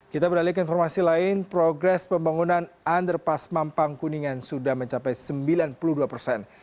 kita beralih ke informasi lain progres pembangunan underpass mampang kuningan sudah mencapai sembilan puluh dua persen